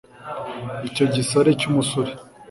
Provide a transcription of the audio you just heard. icyo gisare cy’umusore